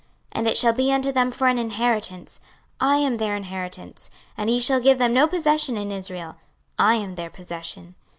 26:044:028 And it shall be unto them for an inheritance: I am their inheritance: and ye shall give them no possession in Israel: I am their possession.